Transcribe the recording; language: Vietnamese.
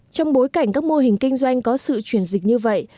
trong bối cảnh các mô hình kinh doanh có sự chuyển dịch như vậy